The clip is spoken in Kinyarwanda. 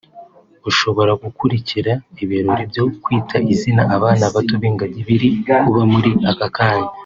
ushobora gukurikira ibirori byo Kwita Izina abana bato b’ingagi biri kuba muri aka kanya